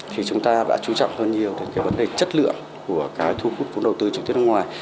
thì chúng ta đã chú trọng hơn nhiều đến cái vấn đề chất lượng của cái thu hút vốn đầu tư trực tiếp nước ngoài